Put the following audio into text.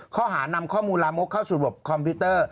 ข้อหานำข้อมูลลามกเข้าสู่ระบบคอมพิวเตอร์